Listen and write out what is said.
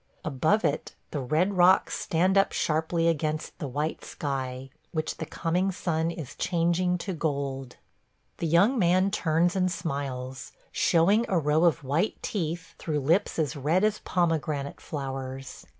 Above it the red rocks stand up sharply against the white sky, which the coming sun is changing to gold. The young man turns and smiles, showing a row of white teeth through lips as red as pomegranate flowers.